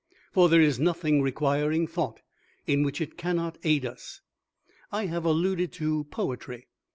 For there is nothing requiring Thought in which it cannot aid us. I have alluded to Poetry.